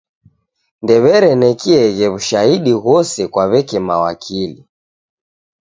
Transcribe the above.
Ndew'erenekieghe w'ushahidi ghose kwa w'eke mawakili.